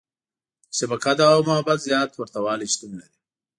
• د شفقت او محبت زیات ورتهوالی شتون لري.